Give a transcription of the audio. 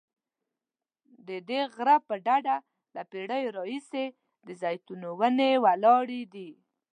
ددې غره پر ډډه له پیړیو راهیسې د زیتونو ونې ولاړې دي.